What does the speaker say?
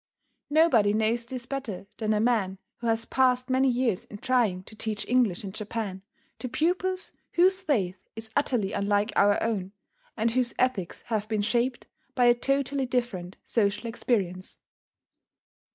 Nobody knows this better than a man who has passed many years in trying to teach English in Japan, to pupils whose faith is utterly unlike our own, and whose ethics have been shaped by a totally different social experience.